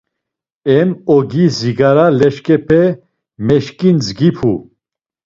Em ogi zigara leşǩepe meşǩindzgipu.